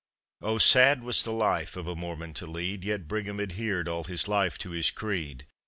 Oh, sad was the life of a Mormon to lead, Yet Brigham adhered all his life to his creed.